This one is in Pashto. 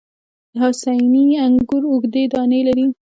د حسیني انګور اوږدې دانې لري.